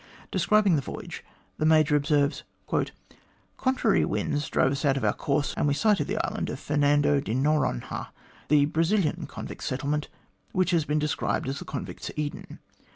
Describing the voyage, the Major observes : "Contrary winds drove us out of our course, and we sighted the island of Fernando de Noronha, the Brazilian convict settle ment, which has been described as the convicts' Eden.